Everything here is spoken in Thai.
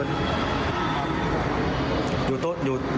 นักเขาหายแล้วก็ถ้าให้การช่วยเหลือ